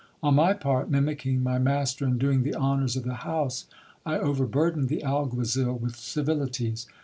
On my part, mimicking my master in doing the honours of the house, I overburdened the alguazil with civilities.